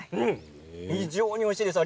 非常においしいです。